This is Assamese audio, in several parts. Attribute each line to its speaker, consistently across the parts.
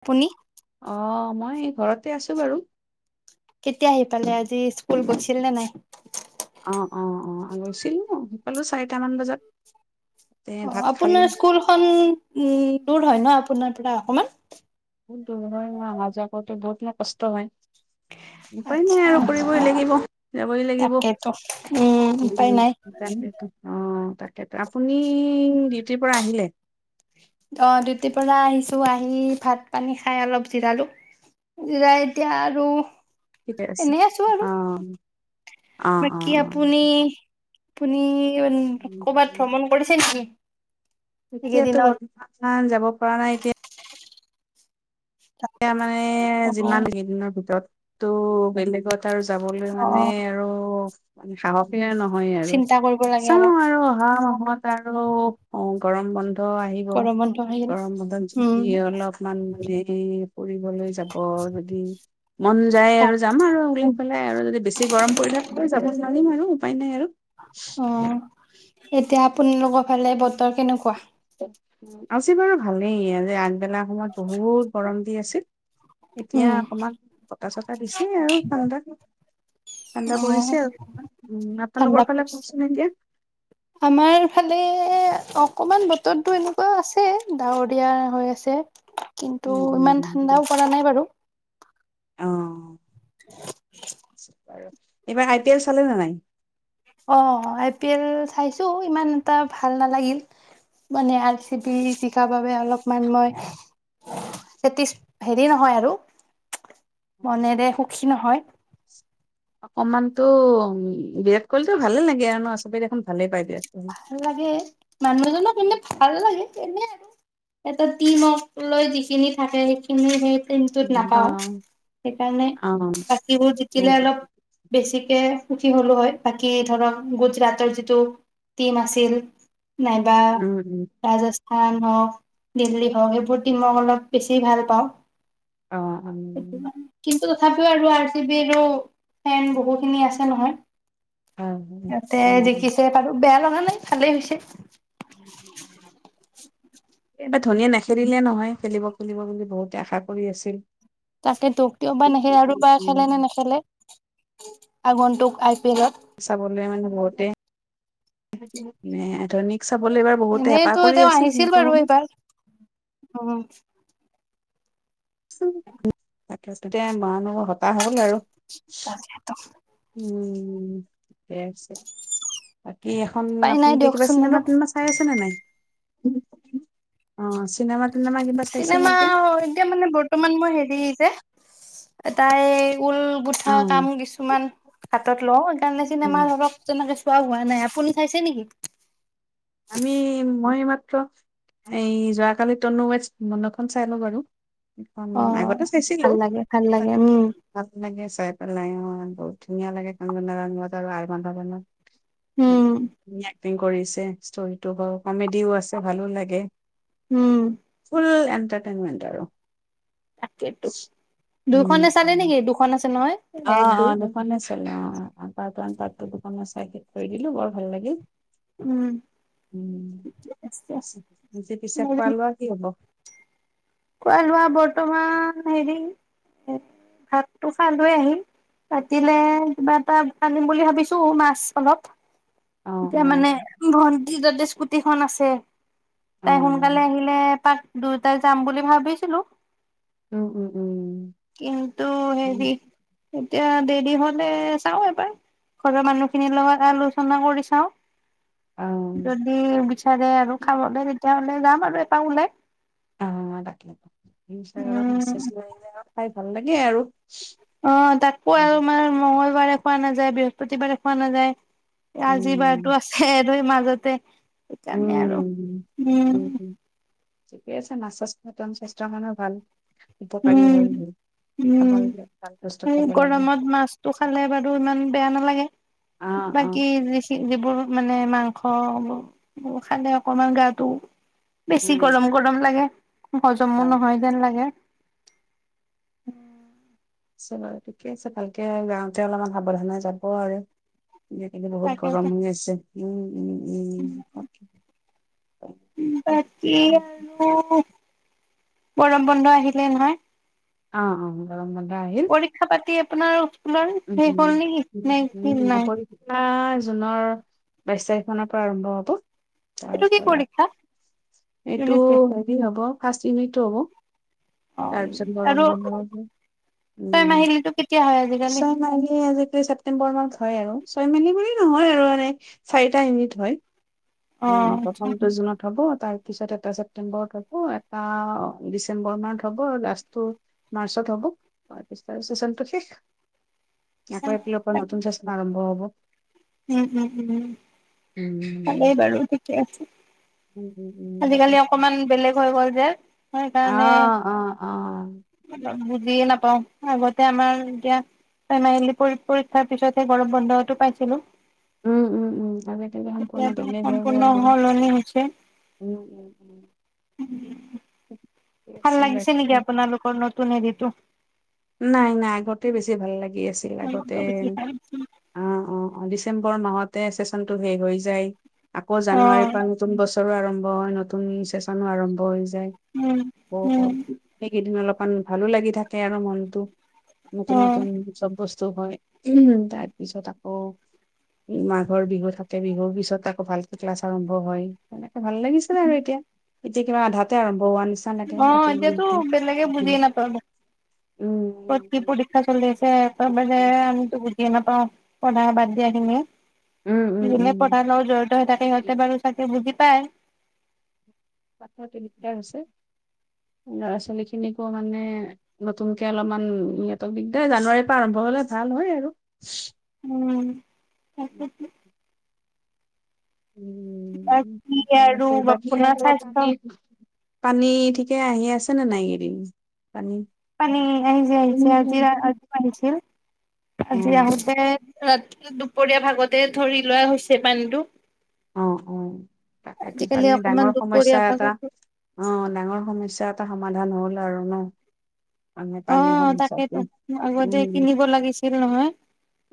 Speaker 1: আপুনি
Speaker 2: অ', মই ঘৰতে আছো বাৰু।
Speaker 1: কালি আজি স্কুল গৈছিল নে নাই?
Speaker 2: অ', অ', অ', গৈছিলো আহি পালো চাৰিটামান বজাত। এ
Speaker 1: অ',
Speaker 2: ভাত খালো।
Speaker 1: আপোনাৰ স্কুলখন উম, দূৰ হয় ন' আপোনাৰ পৰা অকমান।
Speaker 2: বহুত দূৰ হয় মই অহা যোৱা কৰোতে বহুত মানে কষ্ট হয়। উম, উপায় নাই
Speaker 1: আচ্ছা
Speaker 2: আৰু কৰিবই লাগিব যাবই লাগিব অ'।
Speaker 1: তাকেতো উম উপায় নাই
Speaker 2: তাকেটো আপুনি ডিউটিৰ পৰা আহিলে?
Speaker 1: অহ, ডিউটিৰ পৰা আহিছো আহি ভাত পানী খাই অলপ জিৰালো জিৰাই এতিয়া আৰু
Speaker 2: ঠিকে আছে
Speaker 1: এনে আছো আৰু
Speaker 2: অঅ
Speaker 1: বাকী আপুনি আপুনি কৰ'বাত ভ্ৰমণ কৰিছে নেকি
Speaker 2: এতিয়াতো
Speaker 1: এইকেইদিনত?
Speaker 2: গৰম গৰম পৰা এতিয়া মানে
Speaker 1: অ
Speaker 2: যিমান কেইদিনৰ ভিতৰত টো বেলেগ ত আৰু যাবলৈ
Speaker 1: অ
Speaker 2: মানে আৰু সাহস সাহসেই নহয় আৰু
Speaker 1: চিন্তা কৰিব লাগে
Speaker 2: চাওঁ
Speaker 1: অলপ
Speaker 2: আৰু অহা মাহত আৰু অ গৰম বন্ধ আহিব
Speaker 1: গৰম বন্ধ আহিল উম
Speaker 2: অলপ মান ফুৰিবলৈ যাব যদি মন যায় আৰু
Speaker 1: অ
Speaker 2: যাম আৰু উলাই পেলাই আৰু যদি বেছি গৰম পৰি থাকে যাব জালিম আৰু উপায় নাই আৰু
Speaker 1: অ এতিয়া আপোনালোকৰ ফালে বতৰ কেনেকুৱা
Speaker 2: আছে বাৰু ভালেই যে আগবেলা সময়ত বহুত গৰম দি আছিল এতিয়া
Speaker 1: উম,
Speaker 2: অকমান বতা চতা দিছে আৰু ভালদৰে
Speaker 1: অ
Speaker 2: উম আপোনালোকৰ
Speaker 1: ঠাণ্ডা
Speaker 2: ফালে কওকচোন এতিয়া
Speaker 1: পৰিছে আমাৰ ফালে অকমান বতৰটো এনেকুৱাও আছে ডাৱৰ দিয়া হৈ আছে কিন্তু
Speaker 2: উম
Speaker 1: ইমান ঠাণ্ডাও পৰা নাই বাৰু
Speaker 2: আহ
Speaker 1: হয়
Speaker 2: এইবাৰ আই পি এল চালে নে নাই
Speaker 1: অ আই পি এল চাইছো ইমান এটা ভাল নালাগিল মানে আৰ চি বি জিকাৰ বাবে অলপমান মই হেটিছ হেৰি নহয় আৰু মনেৰে সুখী নহয়
Speaker 2: অকমান তো উ কৰিতো ভালেই লাগে আৰু ন চবেই দেখোন ভালেই পাই দিয়া
Speaker 1: ভাল লাগে মানুহজনক মানে ভাল লাগে এনেই এটা টিমক লৈ যিখিনি থাকে সেইখিনি সেই টিমটোত
Speaker 2: অ
Speaker 1: নাপাওঁ সেইকাৰণে
Speaker 2: অ
Speaker 1: বাকিবোৰ জিকিলে
Speaker 2: উম
Speaker 1: আৰু বেছি সুখী হলো হয় বাকী ধৰক গুজৰাটৰ যিটো টিম আছিল নাইবা
Speaker 2: উম
Speaker 1: ৰাজস্থ খান হওক দিল্লী হওক এইবোৰ টিমক অলপ বেছি ভাল পাওঁ
Speaker 2: অ
Speaker 1: কি তথাপিও আৰু আৰ জি বি ৰো ফেন বহুখিনি আছে নহয়
Speaker 2: অ
Speaker 1: সিহঁতে জিকিছে বাৰো বেয়া লগা নাই ভালেই হৈছে
Speaker 2: এইবাৰ ধনীয়ে নেখেলিলে নহয় খেলিব খেলিব বুলি বহুতে আশা কৰি আছিল
Speaker 1: তাকে টকিঅ' বা নেখে আৰু বাৰ খেলে বা
Speaker 2: উম,
Speaker 1: নেখেলে আগনন্তুুক আই পি এল ত
Speaker 2: এছা বলে মানে বলতে ধনীক চাবলৈ এইবাৰ বহুতে
Speaker 1: এনেইতো
Speaker 2: হেপাহ কৰি আছিল কিন্তু
Speaker 1: অ
Speaker 2: তাক তেতিয়া মানুহ হতাশ হ'ল আৰু
Speaker 1: তাকেটো
Speaker 2: উম হৈ আছে কি এখন
Speaker 1: উপাই
Speaker 2: আপুনি
Speaker 1: নাই
Speaker 2: কিবা
Speaker 1: দিয়কচোন আৰু
Speaker 2: চিনেমা তিনেমা চাই আছে নে নাই উম
Speaker 1: চিনেমা এতিয়া মানে বৰ্তমান মই হেৰি আহিছে তাই কুল
Speaker 2: অ
Speaker 1: গুঠা কাম কিছুমান হাতত লওঁ সেইকাৰণে
Speaker 2: উম
Speaker 1: চিনেমা ধৰক যেনেকে খোৱা হোৱা নাই আপুনি চাইছে নেকি
Speaker 2: আমি মই মাত এই যোৱাকালি টনু ৱে মডখন চাই লওঁ বাৰু খন
Speaker 1: অ
Speaker 2: আগতে চাইছিলো
Speaker 1: ভাল লাগে ভাল লাগে উম
Speaker 2: ভাল লাগে অ বহত ধুনীয়া লাগে ক আৰু বন্ বন্ উম কি কৰিছে ষ্টৰিটো বাৰু কমেডিও আছে ভালো লাগে
Speaker 1: উম
Speaker 2: ফুল এ এণ্টাটেইনমেণ্ট আৰু
Speaker 1: তাকে
Speaker 2: উম
Speaker 1: দুইখনে চালে
Speaker 2: উম
Speaker 1: নেকি দুখন আছে নহয়
Speaker 2: অ
Speaker 1: এক
Speaker 2: অ
Speaker 1: দুই
Speaker 2: দুখন আছিল অ পাৰ্ট ৱান পাৰ্চ টো দুখন আছিল চাই শেষ কৰি দিলো বৰ ভাল লাগিল
Speaker 1: উম আছে।
Speaker 2: উম পিছে খোৱা লোৱা কি হব
Speaker 1: খোৱা লোৱা বৰ্তমান হেৰি ভাতটো খাই লৈ আহিম ৰাতিলে কিবা এটা আনিম বুলি ভাবিছো মাছ অলপ
Speaker 2: অ
Speaker 1: এতিয়া
Speaker 2: অ
Speaker 1: মানে ভন্টি যাতে স্কুটিখন আছে তাই সোনকালে
Speaker 2: উম,
Speaker 1: আহিলে পাক দুয়োটাই যাম বুলি ভাবেছিলো
Speaker 2: উম উম উম উ
Speaker 1: ক ত হেৰি এতিয়া দেৰি হলে চাওঁ এবাৰ ঘৰৰ মানুহখিনিৰ লগত আলোচনা কৰি চাওঁ
Speaker 2: অ',
Speaker 1: যদি বিচাৰে আৰু খাবলৈ তেতিয়াাহলে যাম আৰু এপাক ওলাই
Speaker 2: ইনছট্ৰাগ্ৰামত
Speaker 1: উম
Speaker 2: মেচেজ কৰিলে ভাল লাগে আৰু
Speaker 1: অ তাকো
Speaker 2: উম,
Speaker 1: আৰু আমাৰ মঙল বাৰে খোৱা নাযায় বৃহস্পতিবাৰে খোৱা নাযায় আজি বাৰতো
Speaker 2: উম।
Speaker 1: আছে দুই মাজতে সেইকাৰে আৰু উম
Speaker 2: ঠিকেই আছে নাচ চাচ স্বাস্থ্যৰ মেও ভাল উপকাৰী
Speaker 1: উম
Speaker 2: হয় খাব
Speaker 1: উম
Speaker 2: লাগে ভাল বস্তু
Speaker 1: এই
Speaker 2: খাব লাগে।
Speaker 1: গৰমত মাছতটো খালে বাৰু ইমান বেয়া নালাগে
Speaker 2: অ', অ',
Speaker 1: বাকী যিবোৰ মানে মাংস খালে অকমান গাটো বেছি
Speaker 2: উম,
Speaker 1: গৰম গৰম লাগে হজমো
Speaker 2: হয়।
Speaker 1: নহয় যেন লাগে উম
Speaker 2: আহিছো বাৰুঠিকে আছে ভালকে গাওঁতে অলপমান সাৱধানে যাব আৰু এই কেইদিনবহুত
Speaker 1: তাকেটো
Speaker 2: গৰম হৈ আছে উ উ উ
Speaker 1: উ বাকী আৰু গৰম বন্ধ আহিলে নহয়
Speaker 2: অ অ গৰম আহিল।
Speaker 1: পৰীক্ষা পাতিয়ে আপোনাৰ তোমাৰ শেষ হল ন ন কি
Speaker 2: উম,
Speaker 1: নাই
Speaker 2: পৰীক্ষা জুনৰ বাইশ তাৰিখমানৰ পৰা আৰম্ভ হব তাৰ
Speaker 1: এইটো কি
Speaker 2: পৰা
Speaker 1: পৰীক্ষা
Speaker 2: এইটো
Speaker 1: ইউনিট টেষ্ট
Speaker 2: হেৰি হব ফাৰ্ষ্ট ইউনিটটো হ'ব
Speaker 1: অ
Speaker 2: তাৰপিছত গৰম
Speaker 1: আৰু
Speaker 2: বন্ধ হ'ব
Speaker 1: তই
Speaker 2: উম,
Speaker 1: মাহিলীটো কেতিয়া হয় আ
Speaker 2: ছয় মাইি আজিকালি ছেপটেম্বৰ মাহত হয় আৰু ছয় মেলি বুলি নহয় আৰু মানে চাৰিটা ইউনিট হয়
Speaker 1: অ
Speaker 2: উম
Speaker 1: আচ্ছা
Speaker 2: প্ৰথম জুনত হব তাৰপিছত এটা ছেপ্তেম্বৰত হ'ব এটা ডিচেম্বৰ মাহত হ'ব লাষ্টটো মাৰ্চত হ'ব তাৰপিছত চেচনটো শেষ আকৌ আপিলৰ পৰা নতুন চেচন আৰম্ভ হব হব
Speaker 1: উম উম উম উম ভালেই
Speaker 2: উম,
Speaker 1: বাৰু ঠিকে আছে
Speaker 2: উম, উম, উম,
Speaker 1: আজিকালি
Speaker 2: তাকে
Speaker 1: অকমান বেলেগ হৈ গ'ল যে‌
Speaker 2: অ অ অ
Speaker 1: যিয়ে নাপাঁও আগতে আমাৰ এতিয়া ফেনেল পৰীক্ষাৰ পিছতহে গৰম বন্ধটো পাইছিলো
Speaker 2: উম উম উম তে
Speaker 1: এতিয়াতো সম্পূৰ্ণ সলনি হৈছে
Speaker 2: উম, উম, উম। ঠিকে
Speaker 1: ভাল
Speaker 2: আছে
Speaker 1: লাগিছে
Speaker 2: বাকী
Speaker 1: নেকি আপোনালোকৰ নতুন ত নে দি তো
Speaker 2: নাই নাই আগতে বেছি ভাল লাগি আছে অআগতে ডিচেম্বৰ ৰ মাহতে চেচনটো শেষ হৈ যায় আকৌ
Speaker 1: অ
Speaker 2: জানুৱাৰীৰ পৰা নতুন বছৰো আৰম্ভ নতুন চেচনো আৰম্ভ
Speaker 1: উম উম
Speaker 2: সেইকেইদিন অলপ অকমান ভালো লাগি থাকে আৰু মন দু নতুন
Speaker 1: অ
Speaker 2: নতুন চব বস্তু হয় উ তাৰ পিছত আকৌ মাঘৰ বিহু থাকে বিহুৰ পিছত আকৌ ভালকে ক্লাছ আৰম্ভ হয় সনেকে ভাল লাগিছিল নে আৰু এতিয়া এতিয়া কিবা আধাতে আৰম্ভ হান
Speaker 1: অ
Speaker 2: চানতে
Speaker 1: এতিয়াতো বেলেগে বুজি নাপাব
Speaker 2: এ
Speaker 1: ক'ত কি পৰীক্ষা চলি আছে ত বুজিছ নাপাওঁ পঢ়া বাদ দিয়া খিনি
Speaker 2: উম উম
Speaker 1: যোনে
Speaker 2: উম
Speaker 1: পঢ়াৰ লগও জড়িত হৈ থাকে সিহঁতে বাৰু চাগে বুজি পায়
Speaker 2: পাথৰ তিনিটা আছে। ল'ৰা ছোৱালী খিনিকো মানে নতুনকে অলপমান সিহঁতক দিগদাৰ জানুৱাৰীৰ পৰা আৰম্ভ হলে ভাল হয় আৰু।
Speaker 1: উম [unintelligible]
Speaker 2: উম
Speaker 1: বাকী
Speaker 2: ঠিকে
Speaker 1: আৰু
Speaker 2: আছে। বাকী
Speaker 1: আপোনা
Speaker 2: আৰু
Speaker 1: স্বাস্থ্য।
Speaker 2: পানী পানী ঠিকে আহি আছে নে নাই এই কেইদিন।
Speaker 1: পানী আহি যে আহিছে আজি আজি আহিছিল আজি
Speaker 2: অ
Speaker 1: আহোঁতে ৰা দুপৰীয়া ভাগতে ধৰি লোৱা হৈছে পানীটো
Speaker 2: অ অ তাকেইটো
Speaker 1: আজিকালি
Speaker 2: পানীৰ
Speaker 1: অকমান
Speaker 2: ডাঙৰ
Speaker 1: দুপৰীয়া
Speaker 2: সমস্যা এটা
Speaker 1: ভাগতো
Speaker 2: অ ডাঙৰ সমস্যা এটা সমাধান হ'ল আৰু ন। মানে
Speaker 1: অ
Speaker 2: পানীৰ সমস্যাটো।
Speaker 1: তাকেইেতো আগতে
Speaker 2: উম,
Speaker 1: কিনিব লাগিছিল নহয়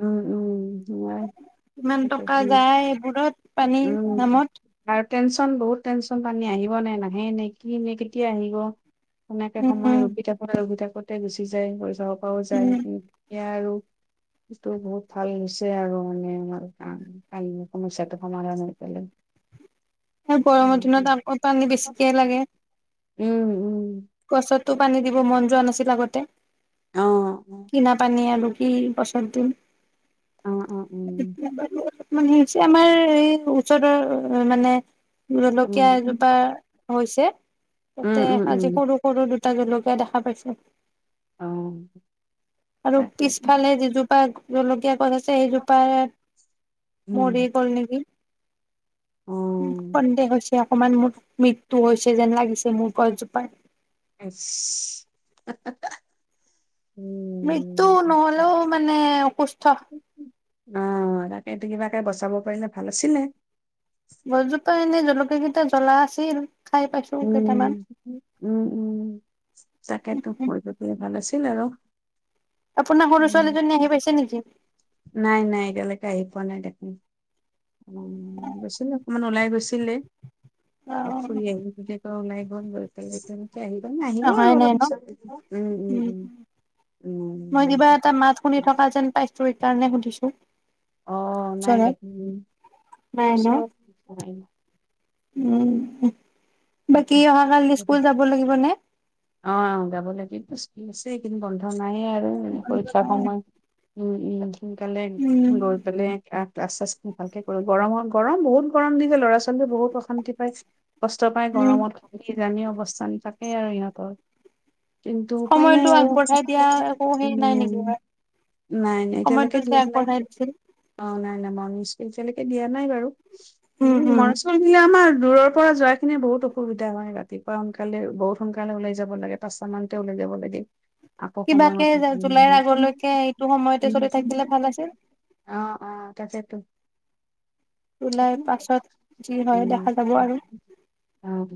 Speaker 2: উম, উম, উম।
Speaker 1: কিমান টকা যায় সেইবোৰত। পানীৰ নামত।
Speaker 2: আৰু টেনচন বহুত টেনচন পানী আহিব নে নাহে নে কি নে কেতিয়া আহিব। হেনেকে সময়
Speaker 1: উম
Speaker 2: ৰখি থাকোঁতে ৰখি থাকোঁতে। আগতে গুচি যায় হৈ যাওক [unintelligible] যায়
Speaker 1: উম
Speaker 2: কি। এয়া আৰু সেইটো বহুত ভাল হৈছে আৰু মানে আমাৰ সমস্যাটো। সমাধান কৈলে
Speaker 1: সেই গৰমৰ দিনত আকৌ পানী বেছিকে লাগে
Speaker 2: উম উম
Speaker 1: গছতো পানী দিব মন যোৱা নাছিলি। আগতে
Speaker 2: অ', অ'।
Speaker 1: কিনা পানী আলু এই বছৰটো
Speaker 2: অ', অ', উম,
Speaker 1: [unintelligible] মানেহে হৈছে আমাৰ এই ওচৰৰ মানে জলকীয়া
Speaker 2: উম,
Speaker 1: এজোপা হৈছে
Speaker 2: উম উম উম
Speaker 1: সৰো দুটা জলকীয়া দেখা পাইছে।
Speaker 2: অ',
Speaker 1: আৰু
Speaker 2: তাকে
Speaker 1: পিছফালে যিজোপা জলকীয়া ক'ত আছে। সেই জোপা
Speaker 2: উম,
Speaker 1: মৰি গল নেকি।
Speaker 2: অ',
Speaker 1: সন্দেহ হৈছে অকমান মোৰ মৃত্যু তো হৈছে যেন লাগিছে মোৰ গছজোপাত
Speaker 2: আচ
Speaker 1: মৃত্যু নহলেও মানে অসুস্থ
Speaker 2: আহ তাকেটো কিবাকে বচাব পাৰিলে ভাল আছিলে
Speaker 1: গছজোপা এনেই জলকীয়া কেইটা জ্বলা আছিল খাই পাইছো
Speaker 2: উম
Speaker 1: কেইটামান
Speaker 2: উম উম তাকে তো হৈ গলে ভাল আছিল আৰু
Speaker 1: আপোনাৰ সৰু
Speaker 2: উম,
Speaker 1: ছোৱালীজনী আহি পাইছে নেকি?
Speaker 2: নাই নাই এতিয়ালৈকে আহি পোৱা নাই দেখোন উ গৈছিলে অকমান ওলাই গৈ ছিলে
Speaker 1: অ
Speaker 2: ফুৰি আহিলোঁ এজোপাও নাই [unintelligible] [unintelligible] নে আহিব আৰু
Speaker 1: অহাই
Speaker 2: অলপ
Speaker 1: নাই ন
Speaker 2: পিছত। উম উম উম
Speaker 1: মই
Speaker 2: উম,
Speaker 1: কিবা এটা মাত
Speaker 2: তাকে।
Speaker 1: শুনি থকা যেন পাইছো কাৰণে সুধিছো
Speaker 2: অ নাই
Speaker 1: জনাত
Speaker 2: দেখোন মোৰ
Speaker 1: নাই ন
Speaker 2: ওচৰত
Speaker 1: উম বাকী অহাকালি স্কুল যাব লাগিব নে
Speaker 2: অ গাবলৈ কে ছে কিন্তু বন্ধ ন নাইয়ে আৰু পৰীক্ষা সময় উম উম সোনকালে
Speaker 1: উম
Speaker 2: লৈ পেলাই ক্লাছ চাছবোৰ ভালকে কৰি গৰমৰ গৰম বহুত গৰম দিছে ল'ৰা ছোৱালীয়েও বহুত অশান্তি পাইছে পাই
Speaker 1: উম
Speaker 2: গৰমত কিজানি অৱস্থান থাকেই আৰু ইহঁতৰ কিন্তু উপায় নাই
Speaker 1: সময়টো আগবঢ়াই দিয়া একো
Speaker 2: আৰু।
Speaker 1: হেৰি নাই নেকি
Speaker 2: নাই নাই
Speaker 1: সময়টো
Speaker 2: এতিয়ালৈকে
Speaker 1: যে
Speaker 2: দিম নাই
Speaker 1: আগবঢ়াই দিছিল
Speaker 2: অ নাই এমাউন্ট স্কীল এতিলৈকে দিয়া নাই বাৰু উম মৰাচল আমাৰ দূৰৰ পৰা যায় লে বহুত অসুবিধা হয় ৰাতিপুৱা সোনকালে বহুত সোনকালে ওলাই যাব লাগে, পাঁচটা মানতে ওলাই যাব লাগে। আকৌ
Speaker 1: কিবাকে
Speaker 2: সময়মতে,
Speaker 1: জুলাইৰ আগলৈকে এইটো সময়তে চলি থাকিলে ভাল আছিল
Speaker 2: অ অ তাকে তো
Speaker 1: ওলাই পাছত যি হয় দেখা যাব আৰু
Speaker 2: অম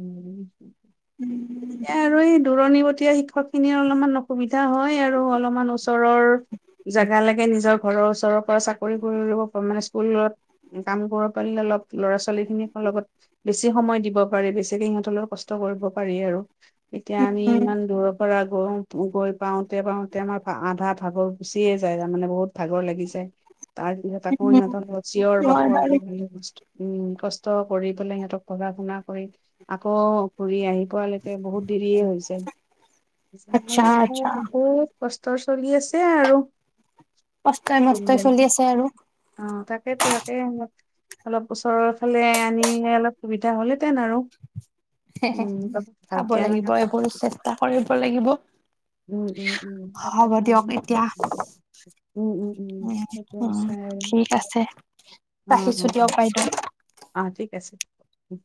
Speaker 2: এ আৰু এই দূৰণি ব এতিয়া শিক্ষক খিনিৰ অলপমান অসুবিধা হয় আৰু অলপমান ওচৰৰ জেগালেকে নিজৰ ঘৰৰ ওচৰৰ পৰা চাকৰি কৰিব মানে স্কুলত কাম কৰিব পাৰিলে অলপ ল'ৰা ছোৱালী খিনিক লগত বেছি সময় দিব পাৰি বেছিকে সিহঁতৰ কষ্ট কৰিব পাৰি আৰু [unintelligible] এতিয়া আমি
Speaker 1: উম
Speaker 2: ইমান দূৰৰ পৰা আগ গ গৈ পাওঁতে পাওঁ তে আমাৰ আধা ভাগৰ গুচিয়ে যায় তাৰ মানে বহুত ভাগৰ লাগি যায় তাৰ পিছত আকৌ
Speaker 1: উম
Speaker 2: সিহঁতক চিঞৰ
Speaker 1: হয়
Speaker 2: বাখৰ
Speaker 1: বাৰু
Speaker 2: বস্তু উম কষ্ট কৰি পেলাই সিহঁতক পঢ়া শুনা কৰি আকৌ ঘুৰি আহিব বহুত দেৰিয়ে হৈছে
Speaker 1: আচ্ছা আচ্ছা
Speaker 2: বহুত ক উ্তৰ চলি আছে আৰু
Speaker 1: কষ্টই মষ্টই চলি আছে আৰু
Speaker 2: অ তাকেইতো তাকে অলপ ওচৰৰ ফালে আনিলে অলপ সুবিধা হ'লহেতেন আৰু উম
Speaker 1: চাব
Speaker 2: ভালকে আমি
Speaker 1: লাগিব এইবোৰ চেষ্টা কৰিব লাগিব।
Speaker 2: উ', উম', উ- উ -উ অ
Speaker 1: হ'ব দিয়ক এতিয়া
Speaker 2: ',
Speaker 1: উম উম ঠিক আছে
Speaker 2: উ
Speaker 1: ৰাখিছো
Speaker 2: -উ
Speaker 1: দিয়ক বাইদেউ
Speaker 2: অ', ঠিক আছে। উ',